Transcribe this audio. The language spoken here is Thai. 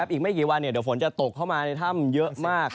อีกไม่กี่วันเดี๋ยวฝนจะตกเข้ามาในถ้ำเยอะมาก